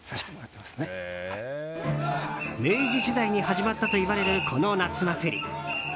明治時代に始まったといわれるこの夏祭り。